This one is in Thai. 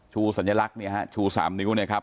ชูสัญลักษณ์เนี้ยฮะชูสามนิ้วเนี้ยครับ